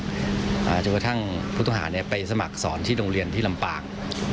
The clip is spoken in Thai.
จนกระทั่งผู้ต้องหาเนี่ยไปสมัครสอนที่โรงเรียนที่ลำปาง